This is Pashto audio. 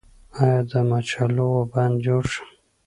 آیا د مچالغو بند جوړ شو؟